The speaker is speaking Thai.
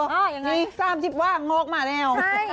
ยังไงนี่สามสิบว่างงอกมาแล้ว